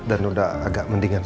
dan udah agak mendingan